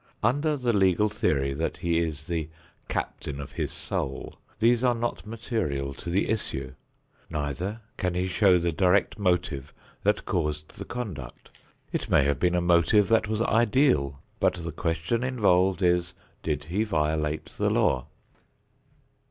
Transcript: Under the legal theory that he is "the captain of his soul," these are not material to the issue. Neither can he show the direct motive that caused the conduct. It may have been a motive that was ideal, but the question involved is, did he violate the law?